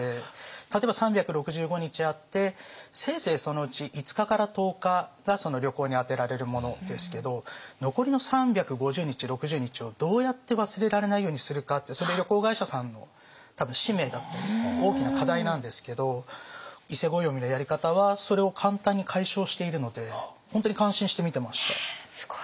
例えば３６５日あってせいぜいそのうち５日から１０日が旅行に充てられるものですけど残りの３５０日３６０日をどうやって忘れられないようにするかってそれ旅行会社さんの多分使命だったり大きな課題なんですけど伊勢暦のやり方はそれを簡単に解消しているので本当に感心して見てました。